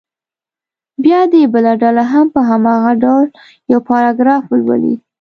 بیا دې بله ډله هم په هماغه ډول یو پاراګراف ولولي.